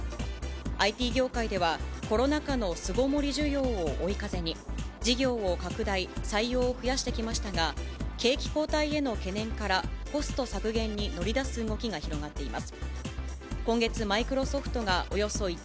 ＩＴ業界では、コロナ禍の巣ごもり需要を追い風に、事業を拡大、採用を増やしてきましたが、景気後退への懸念から、コスト削減に乗り出す動きが広がっています。